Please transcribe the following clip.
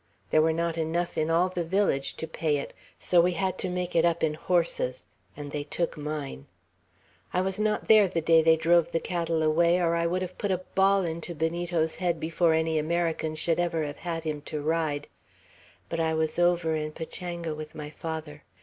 There were not enough in all the village to pay it, so we had to make it up in horses; and they took mine. I was not there the day they drove the cattle away, or I would have put a ball into Benito's head before any American should ever have had him to ride. But I was over in Pachanga with my father.